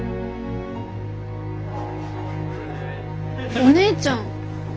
お姉ちゃん。